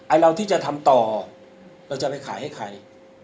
เราที่จะทำต่อเราจะไปขายให้ใคร